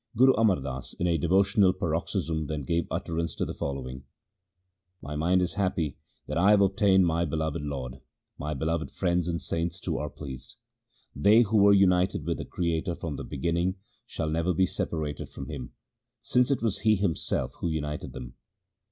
Guru Amar Das in a devotional paroxysm then gave utterance to the following :— My mind is happy that I have obtained my beloved Lord ; my beloved friends and saints too are pleased. They who were united with the Creator from the beginning shall never be separated from Him, since it was He Himself who united them.